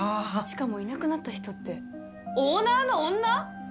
しかもいなくなった人ってオーナーの女？